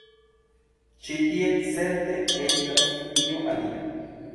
Ĉi tie, certe, estas io alia.